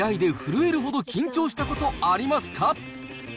試合で震えるほど緊張したことありますか？